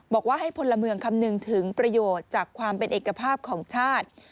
บอกว่าให้พลเมืองคำนึงถึงประโยชน์จากความเป็นเอกภาพของชาติ